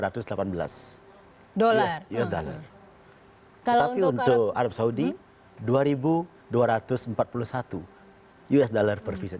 tetapi untuk arab saudi dua ribu dua ratus empat puluh satu usd per vision